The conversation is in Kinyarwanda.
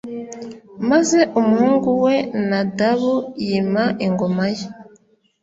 maze umuhungu we Nadabu yima ingoma ye